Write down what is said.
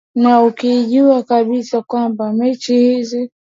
na ukijua kabisa kwamba mechi hizi